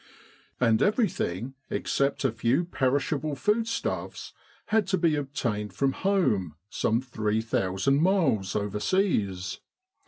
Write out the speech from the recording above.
And everything except a few perishable foodstuffs, had to be obtained from home, some three thousand miles overseas.